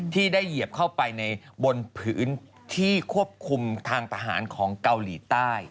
ที่ได้เหยียบเข้าไปในบนพื้นที่ควบคุมทางทหารของเกาหลีใต้